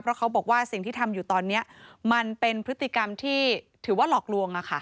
เพราะเขาบอกว่าสิ่งที่ทำอยู่ตอนนี้มันเป็นพฤติกรรมที่ถือว่าหลอกลวง